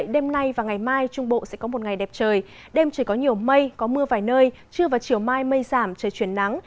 đêm chỉ có nhiều mây có mưa vài nơi trưa và chiều mai mây giảm trời chuyển nắng